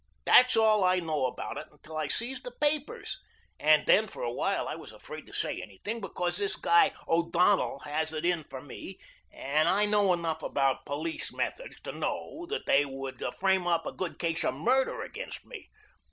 That's all I know about it until I sees the papers, and then for a while I was afraid to say anything because this guy O'Donnell has it in for me, and I know enough about police methods to know that they could frame up a good case of murder against me.